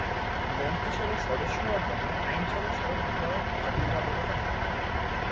মন্ত্রিসভার সদস্য হওয়ার জন্য আইনসভার সদস্য হওয়ার বাধ্যবাধকতা নেই।